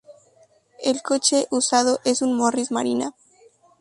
El coche usado es un Morris Marina.